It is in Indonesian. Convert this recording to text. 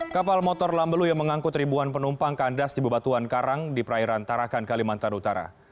kapal motor lambelu yang mengangkut ribuan penumpang kandas di bebatuan karang di perairan tarakan kalimantan utara